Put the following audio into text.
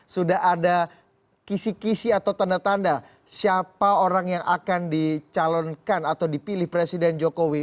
sudah ada kisi kisi atau tanda tanda siapa orang yang akan dicalonkan atau dipilih presiden jokowi